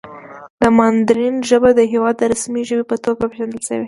د ماندارین ژبه د هېواد د رسمي ژبې په توګه پېژندل شوې ده.